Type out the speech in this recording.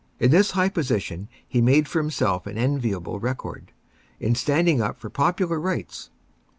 In this high position he made for himself an enviable record, in standing up for popular rights.